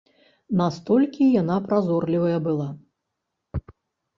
Настолькі яна празорлівая была.